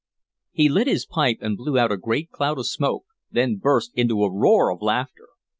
He lit his pipe and blew out a great cloud of smoke, then burst into a roar of laughter.